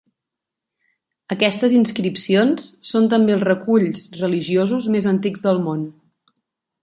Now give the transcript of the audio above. Aquestes inscripcions són també els reculls religiosos més antics del món.